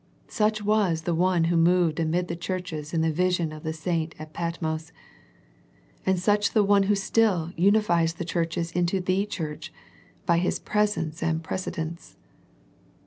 Such was the One Who moved amid the churches in the vision of the saint at Patmos, and such the One who still unifie s the churches into the Church, by His presence and presidence.